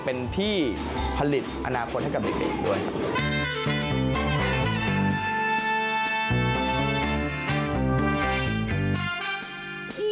เป็นที่ผลิตอนาคตให้กับเด็กด้วยครับ